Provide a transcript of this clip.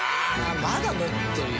まだ持ってるよ。